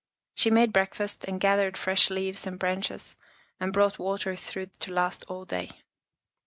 She made breakfast and gathered fresh leaves and branches and brought water enough to last all day.